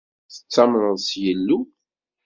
Tettamneḍ s Yillu?